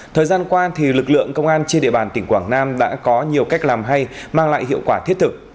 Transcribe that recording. thời gian qua lực lượng công an trên địa bàn tỉnh quảng nam đã có nhiều cách làm hay mang lại hiệu quả thiết thực